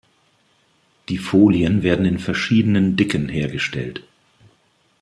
Die Folien werden in verschiedenen Dicken hergestellt.